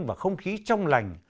và không khí trong lành